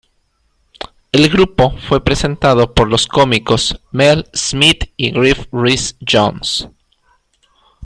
El grupo fue presentado por los cómicos Mel Smith y Griff Rhys Jones.